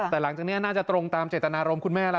แต่หลังจากนี้น่าจะตรงตามเจตนารมณ์คุณแม่แล้ว